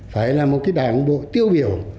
phải là một cái đảng bộ tiêu biểu